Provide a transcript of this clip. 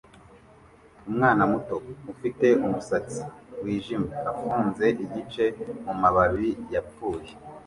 Umwana muto ufite umusatsi wijimye afunze igice mumababi yapfuye